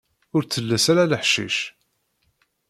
Ur telles ara leḥcic.